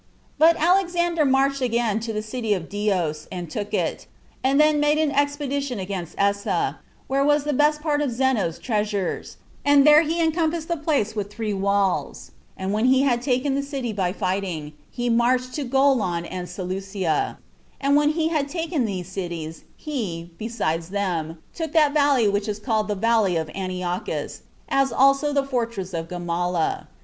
3. But Alexander marched again to the city Dios, and took it; and then made an expedition against Essa, where was the best part of Zeno's treasures, and there he encompassed the place with three walls; and when he had taken the city by fighting, he marched to Golan and Seleucia; and when he had taken these cities, he, besides them, took that valley which is called The Valley of Antiochus, as also the fortress of Gamala.